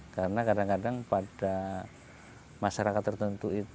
karena kadang kadang pada masyarakat tertentu